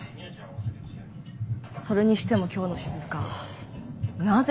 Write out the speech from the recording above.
それにしても今日のしずかなぜ